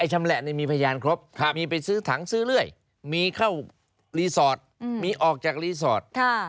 ชำแหละมีพยานครบมีไปซื้อถังซื้อเรื่อยมีเข้ารีสอร์ทมีออกจากรีสอร์ท